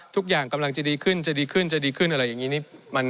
ทุกอย่างกำลังจะดีขึ้นจะดีขึ้นจะดีขึ้นอะไรอย่างนี้